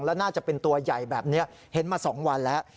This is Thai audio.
แล้วน่าจะเป็นตัวใหญ่แบบนี้เห็นมา๒วันแล้ว